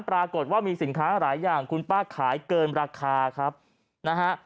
ปรากฏว่ามีสินค้าหลายอย่างคุณป้าขายเกินราคาครับนะฮะ